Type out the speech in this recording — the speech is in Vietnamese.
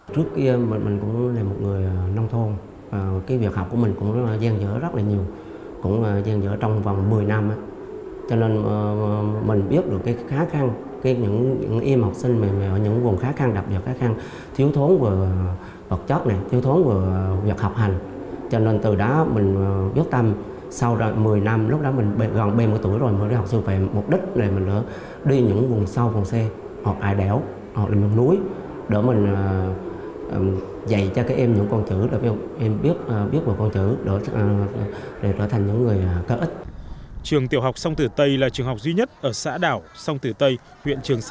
thầy giáo nguyễn hữu phú thầy giáo nguyễn hữu phú thầy giáo nguyễn hữu phú thầy giáo nguyễn hữu phú thầy giáo nguyễn hữu phú thầy giáo nguyễn hữu phú thầy giáo nguyễn hữu phú thầy giáo nguyễn hữu phú thầy giáo nguyễn hữu phú thầy giáo nguyễn hữu phú thầy giáo nguyễn hữu phú thầy giáo nguyễn hữu phú thầy giáo nguyễn hữu phú thầy giáo nguyễn hữu phú thầy giáo nguyễn hữ